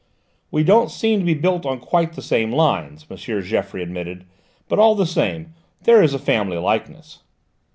"We don't seem to be built on quite the same lines," M. Geoffroy admitted, "but all the same there is a family likeness!"